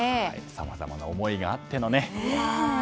さまざまな思いがあっての。